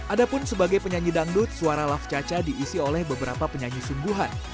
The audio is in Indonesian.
adapun sebagai penyanyi dangdut suara lafcaca diisi oleh beberapa penyanyi sungguhan